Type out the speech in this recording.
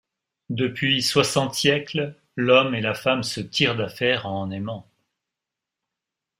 Depuis soixante siècles, l’homme et la femme se tirent d’affaire en aimant.